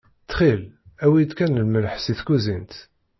Ttxil, awi-yi-d kan lemleḥ si tkuzint.